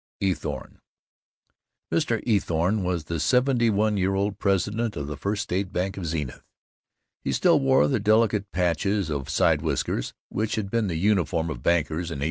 Eathorne. Mr. Eathorne was the seventy year old president of the First State Bank of Zenith. He still wore the delicate patches of side whiskers which had been the uniform of bankers in 1870.